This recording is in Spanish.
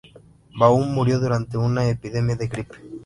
Baum murió durante una epidemia de gripe.